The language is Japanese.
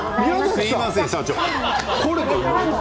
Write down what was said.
すみません社長。